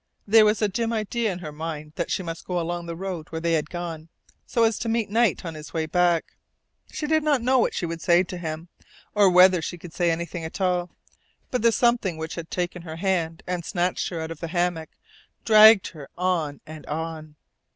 There was a dim idea in her mind that she must go along the road where they had gone, so as to meet Knight on his way back. She did not know what she should say to him, or whether she could say anything at all; but the something which had taken her hand and snatched her out of the hammock dragged her on and on.